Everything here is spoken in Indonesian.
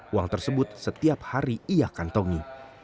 uang tersebut setiap hari ia kantongi